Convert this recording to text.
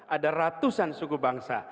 ada ratusan suku bangsa